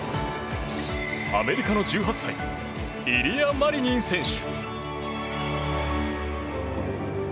アメリカの１８歳イリア・マリニン選手。